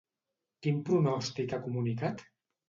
Quin pronòstic ha comunicat?